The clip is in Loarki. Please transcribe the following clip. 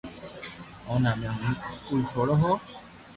اوني ھمي ھون اسڪول سوڙو ھون